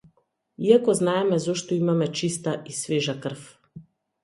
Иако знаеме зошто имаме чиста и свежа крв.